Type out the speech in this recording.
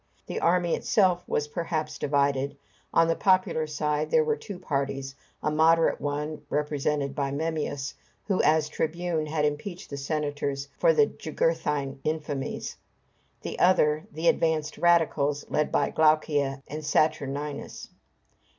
The army itself was perhaps divided. On the popular side there were two parties: a moderate one, represented by Memmius, who, as tribune, had impeached the senators for the Jugurthine infamies; the other, the advanced radicals, led by Glaucia and Saturninus.